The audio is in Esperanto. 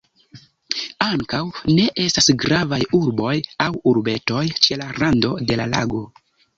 Ankaŭ ne estas gravaj urboj aŭ urbetoj ĉe la rando de la lago.